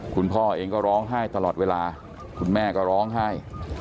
คุณพ่อเองก็ร้องไห้ตลอดเวลาคุณแม่ก็ร้องไห้